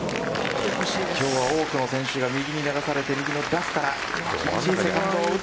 今日は多くの選手が右に流されて右のラフから。